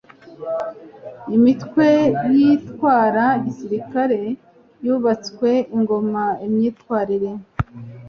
imitwe yitwara gisirikari yubatswe ingoma imyitwarire